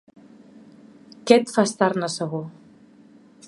Què et fa estar-ne segur?